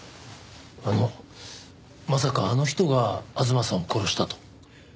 あのまさかあの人が吾妻さんを殺したと？